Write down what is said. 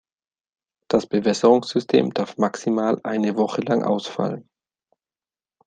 Das Bewässerungssystem darf maximal eine Woche lang ausfallen.